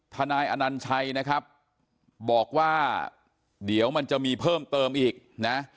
นายอนัญชัยนะครับบอกว่าเดี๋ยวมันจะมีเพิ่มเติมอีกนะ